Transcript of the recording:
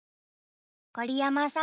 ごりやまさん。